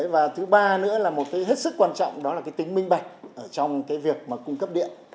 và thứ ba nữa là một cái hết sức quan trọng đó là cái tính minh bạch trong cái việc mà cung cấp điện